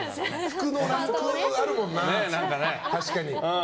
服のランク、あるもんな。